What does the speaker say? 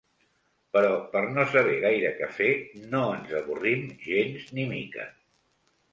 Però per no saber gaire què fer, no ens avorrim gens ni mica.